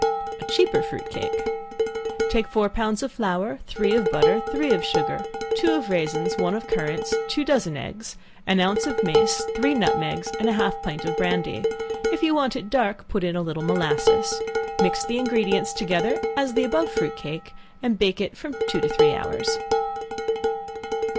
A cheaper Fruit Cake. Take four pounds of flour, three of butter, three of sugar, two of raisins, one of currants, two dozen eggs, an ounce of mace, three nutmegs, and a half pint of brandy; if you want it dark, put in a little molasses; mix the ingredients together, as the above fruit cake, and bake it from two to three hours.